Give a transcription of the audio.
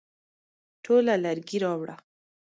ټوله لرګي راوړه ؟